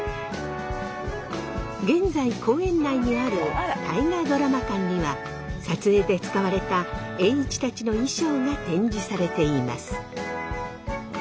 現在公園内にある大河ドラマ館には撮影で使われた栄一たちの衣装が展示されています。